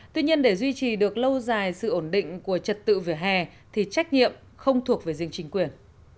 tuy nhiên để duy trì được lâu dài sự ổn định của trật tự vỉa hè thì trách nhiệm không thuộc về riêng chính quyền